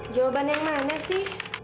jawaban yang mana sih